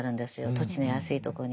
土地の安いところに。